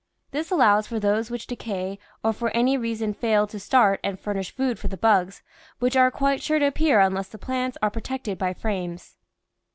This allows for those M^hich decay or for any reason fail to start and furnish food for the bugs, which are quite sure to appear unless the plants are protected by frames.